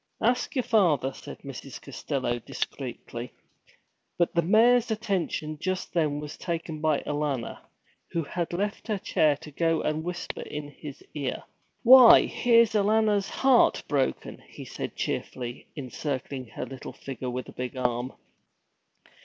'Ask your father,' said Mrs. Costello discreetly. But the mayor's attention just then was taken by Alanna, who had left her chair to go and whisper in his ear. 'Why, here's Alanna's heart broken!' said he cheerfully, encircling her little figure with a big arm.